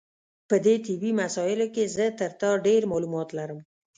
په دې طبي مسایلو کې زه تر تا ډېر معلومات لرم.